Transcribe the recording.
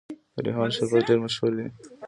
د ریحان شربت ډیر مشهور دی.